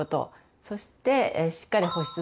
そしてしっかり保湿すること。